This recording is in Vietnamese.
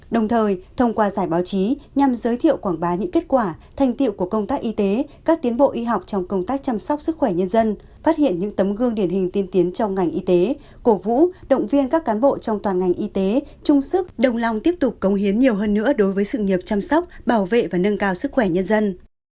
đồng thời thông qua giải báo chí nhằm giới thiệu quảng bá những kết quả thành tiệu của công tác y tế các tiến bộ y học trong công tác chăm sóc sức khỏe nhân dân phát hiện những tấm gương điển hình tiên tiến trong ngành y tế cổ vũ động viên các cán bộ trong toàn ngành y tế chung sức đồng lòng tiếp tục công hiến nhiều hơn nữa đối với sự nghiệp chăm sóc bảo vệ và nâng cao sức khỏe nhân dân